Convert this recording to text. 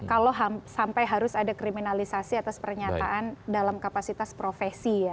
kalau sampai harus ada kriminalisasi atas pernyataan dalam kapasitas profesi ya